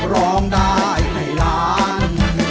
ร้องได้ให้ล้าน